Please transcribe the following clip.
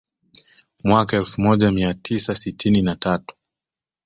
Mwaka elfu moja mia tisa sitini na tatu